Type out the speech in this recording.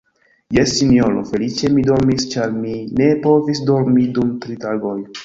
Jes, sinjoro, feliĉe mi dormis, ĉar mi ne povis dormi dum tri tagoj.